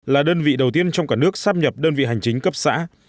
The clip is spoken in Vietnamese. là đơn vị đầu tiên trong cả nước sắp nhập đơn vị hành chính cấp xã